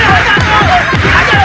aduh berusia kalian